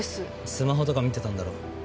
スマホとか見てたんだろ。